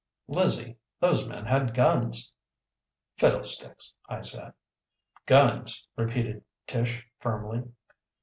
Lizzie, those men had guns!" "Fiddlesticks!" I said. "Guns!" repeated Tish firmly.